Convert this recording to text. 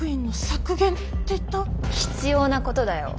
必要なことだよ。